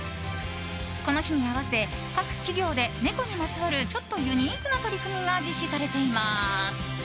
この日に合わせ各企業で猫にまつわるちょっとユニークな取り組みが実施されています。